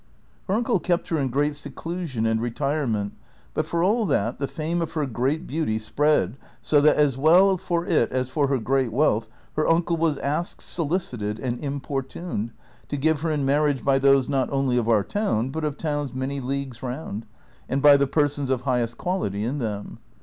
Her uncle kept her in great sechision and retire ment, but for all that the fame of her great beauty spread so that, as well for it as for her great wealth, her uncle was asked, solicited, and importuned, to give her in marriage by those not only of our town but of towns many leagues round, and by the persons of highest quality in them.